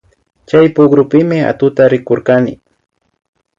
Chay pukrupimi atukta rikurkani